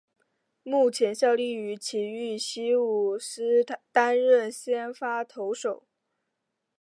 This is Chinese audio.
目前效力于崎玉西武狮担任先发投手。